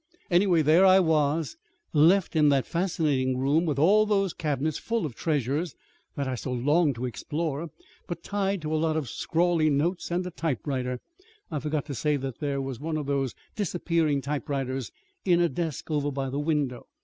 Anyway, there I was, left in that fascinating room with all those cabinets full of treasures that I so longed to explore, but tied to a lot of scrawly notes and a typewriter. I forgot to say there was one of those disappearing typewriters in a desk over by the window.